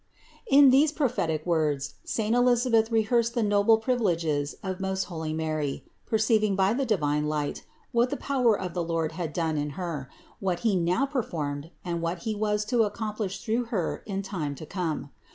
In these prophetic words saint Elisabeth rehearsed the noble privileges of most holy Mary, perceiving by the divine light what the power of the Lord had done in Her, what He now performed, and what He was to ac complish through Her in time to come.